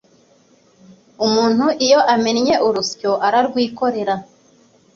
Umuntu iyo amennye urusyo, ararwikorera